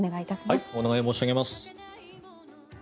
お願い申し上げます。